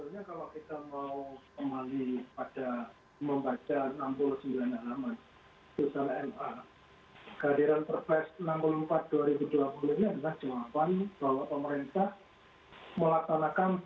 ya pertama sebetulnya kalau kita mau kembali pada membaca enam puluh sembilan alamat